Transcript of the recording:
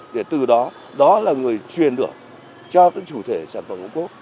để từ đó đó là người truyền được cho các chủ thể sản phẩm ô cốp